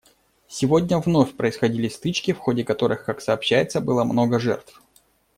Сегодня вновь происходили стычки, в ходе которых, как сообщается, было много жертв.